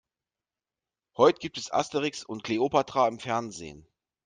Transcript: Heute gibt es Asterix und Kleopatra im Fernsehen.